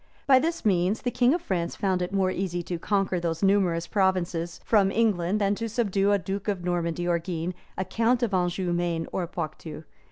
By this means, the king of France found it more easy to conquer those numerous provinces from England than to subdue a duke of Normandy or Guienne, a count of Anjou, Maine, or Poietou.